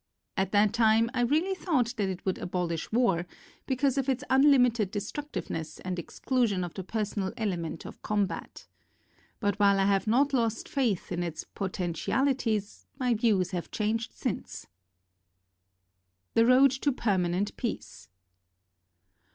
At that time I really thought that it would abolish war, because of its unlimited destructiveness and exclusion of the personal element of combat. But while I have not lost faith in its potentiali ties, my views have changed since The Road to Permanent Peace.